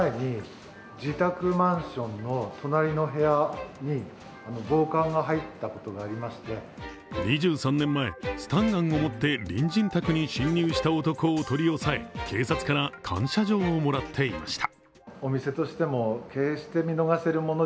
更に２３年前、スタンガンを持って隣人宅に侵入した男を取り押さえ警察から感謝状をもらっていました。